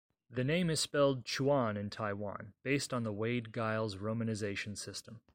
The name is spelled Chuan in Taiwan, based on the Wade-Giles romanization system.